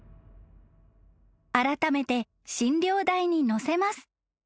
［あらためて診療台に乗せます］